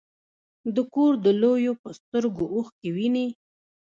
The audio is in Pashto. د کور د لویو په سترګو اوښکې وینې.